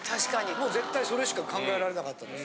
もう絶対それしか考えられなかったです。